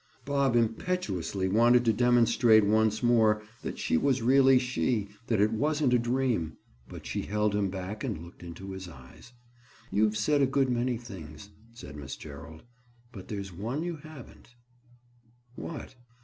Bob impetuously wanted to demonstrate once more that she was really she—that it wasn't a dream—but she held him back and looked into his eyes. "You've said a good many things," said Miss Gerald. "But there's one you haven't." "What?"